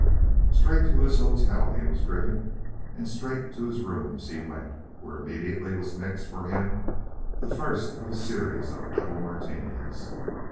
Straight to his hotel he was driven, and straight to his rooms he went, where immediately was mixed for him the first of a series of double Martinis.